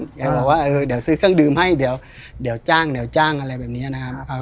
แกบอกว่าเออเดี๋ยวซื้อเครื่องดื่มให้เดี๋ยวจ้างอะไรแบบนี้นะครับ